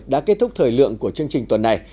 đã kết thúc thời lượng của chương trình tuần này